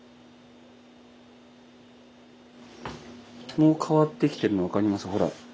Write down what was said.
もう変わってきてるの分かります？